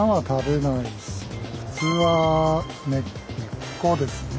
普通は根っこです。